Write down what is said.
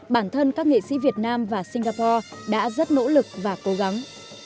bản thân các nghệ sĩ việt nam và singapore đã rất nỗ lực và cố gắng